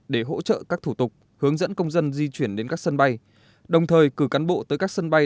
để hỗ trợ các thủ tục hướng dẫn công dân di chuyển đến các sân bay đồng thời cử cán bộ tới các sân bay